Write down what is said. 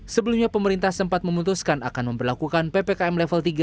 sebelumnya pemerintah sempat memutuskan akan memperlakukan ppkm level tiga